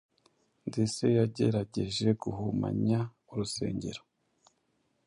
Ndetse yagerageje guhumanya urusengero.”